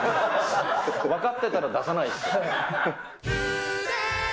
分かってたら出さないですよね。